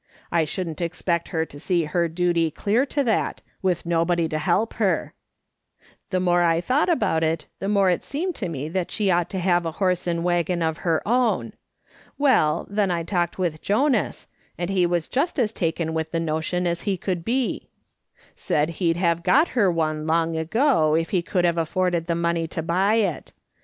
I shouldn't expect her to see her duty clear to that, with nobody to help her. " The more I thought about it, the more it seemed to me tliat she ought to have a horse and waggon of M EDIT A TIONS THA T MEANT SOME THING. 209 her own. Well, then I talked with Jonas, and he was just as taken with the notion as he could be ; said he'd have got her one long ago if he could have afforded the money to buy it.